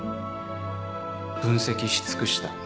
分析し尽くした。